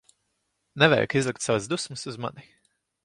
Nevajag izlikt savas dusmas uz mani.